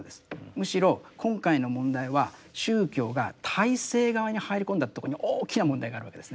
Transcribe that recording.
むしろ今回の問題は宗教が体制側に入り込んだとこに大きな問題があるわけですね。